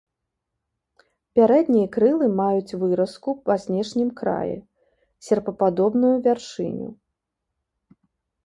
Пярэднія крылы маюць выразку па знешнім краі, серпападобную вяршыню.